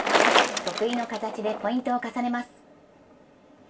得意の形でポイントを重ねます。